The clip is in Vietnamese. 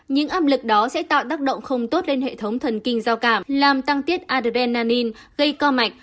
những âm lực đó sẽ tạo tác động không tốt lên hệ thống thần kinh giao cảm làm tăng tiết adrenanin gây co mạch